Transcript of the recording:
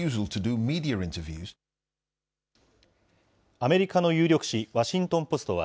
アメリカの有力紙、ワシントン・ポストは、